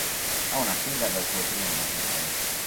Ha una figlia dal suo primo matrimonio.